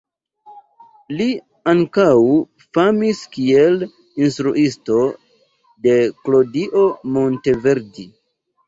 Li ankaŭ famis kiel instruisto de Claudio Monteverdi.